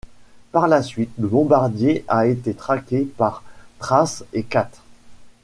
Par la suite le bombardier a été traqué par Thrace et Kat.